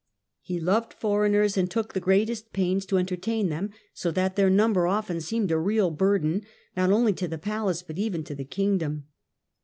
" He loved foreigners, and took the greatest pains to entertain them, so that their number often seemed a real burden, not only to the palace but even to the kingdom.